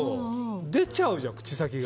出ちゃうじゃん、口先が。